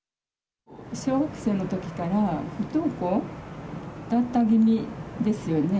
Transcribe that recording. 小学生ときから不登校だった気味ですよね。